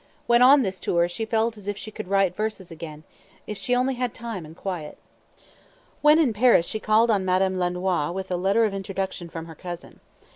When on this tour, she felt as if she could write verses again, if she had only time and quiet. When in Paris she called on Madame Lenoir with a letter of introduction from her cousin.